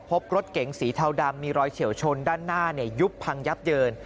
พบรถเก๋งสีเทาดำมีรอยเฉียวชนด้านหน้ายุบพังยับเยิน